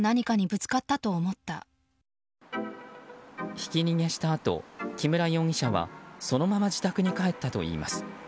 ひき逃げしたあと木村容疑者はそのまま自宅に帰ったといいます。